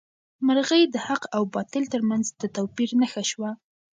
مرغۍ د حق او باطل تر منځ د توپیر نښه شوه.